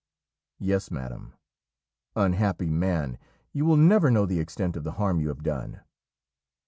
'Yes, madam.' 'Unhappy man! you will never know the extent of the harm you have done.'